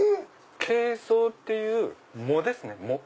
珪藻っていう藻ですね。